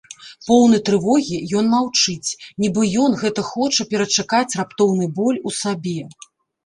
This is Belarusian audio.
Поўны трывогі, ён маўчыць, нібы ён гэта хоча перачакаць раптоўны боль у сабе.